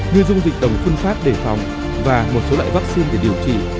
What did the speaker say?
lưu dung dịch tầm phun phát để phòng và một số loại vắc xiên để điều trị